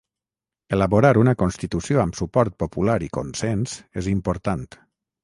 Elaborar una constitució amb suport popular i consens és important.